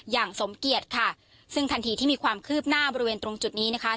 อย่างสมเกียจค่ะซึ่งทันทีที่มีความคืบหน้าบริเวณตรงจุดนี้นะคะ